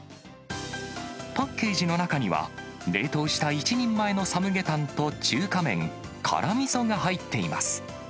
パッケージの中には、冷凍した１人前のサムゲタンと中華麺、辛みそが入っています。